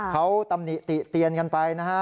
เขาตำหนิติเตียนกันไปนะฮะ